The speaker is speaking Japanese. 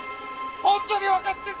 本当に分かってるのか！？